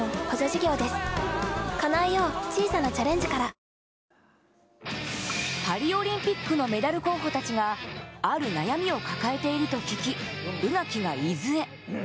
そんな注目選手たちがパリオリンピックのメダル候補たちがある悩みを抱えていると聞き、宇垣が伊豆へ。